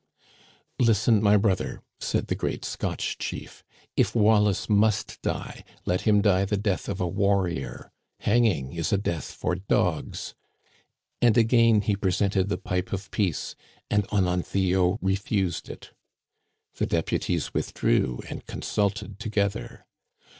* Listen my brother,' said the great Scotch chief, * if Wallace must die let him die the death of a warrior. Hanging is a death for dogs.' And again he presented the pipe of peace, and Onon thio refused it. The deputies withdrew and consulted together.